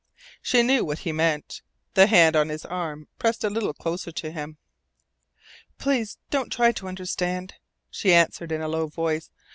She knew what he meant. The hand on his arm pressed a little closer to him. "Please don't try to understand," she answered in a low voice.